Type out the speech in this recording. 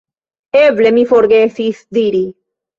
Eble mi forgesis diri.